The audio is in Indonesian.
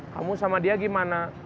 kamu sama dia gimana